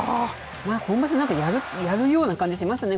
今場所なんかやるような感じしましたね。